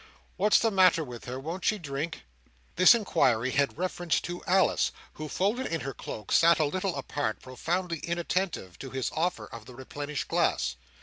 —"What's the matter with her? Won't she drink?" This inquiry had reference to Alice, who, folded in her cloak, sat a little apart, profoundly inattentive to his offer of the replenished glass.